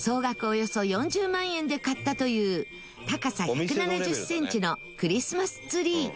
およそ４０万円で買ったという高さ１７０センチのクリスマスツリー。